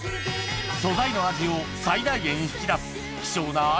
素材の味を最大限引き出す希少な会